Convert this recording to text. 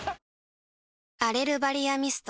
⁉アレルバリアミスト